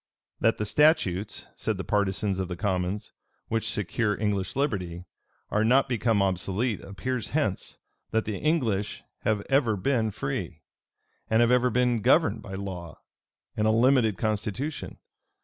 That the statutes, said the partisans of the commons, which secure English liberty, are not become obsolete, appears hence, that the English have ever been free, and have ever been governed by law and a limited constitution.